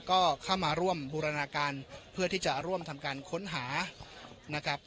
ก็เข้ามาร่วมบูรณาการเพื่อที่จะร่วมทำการค้นหานะครับ